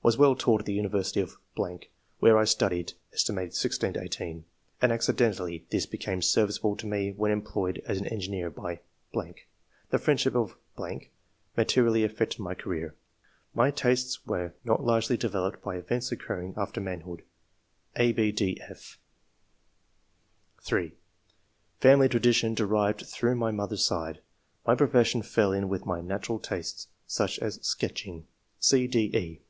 was well taught at the university of ...., where I studied, aet. 16 18, and accidentally this be came serviceable to me when employed as an engineer by .... The friendship of .... ma terially aflfected my career. My tastes were not largely developed by events occurring after manhood." (a, 6, d,f) (3) "Family tradition derived through my mother's side. My profession fell in with my natural tastes, such as sketching." (c, c?